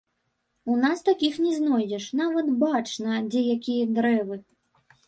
У нас такіх не знойдзеш, нават бачна, дзе якія дрэвы.